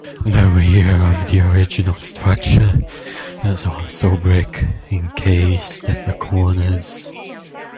The rear of the original structure is also brick encased at the corners.